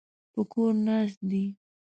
په کور ناست دی.